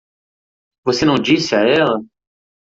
Você não disse a ela?